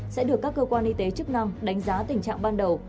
sẽ được các cơ quan y tế chức năng đánh giá tình trạng ban đầu